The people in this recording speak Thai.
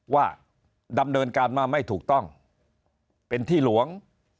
ว่าดำเนินการมาไม่ถูกต้องเป็นที่หลวง